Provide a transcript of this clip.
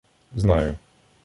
— Знаю.